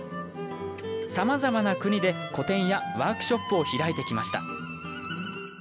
さまざまな国で個展やワークショップを開いてきました。